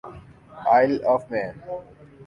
oil of main